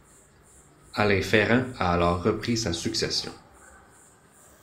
Alain Ferrand a alors repris sa succession.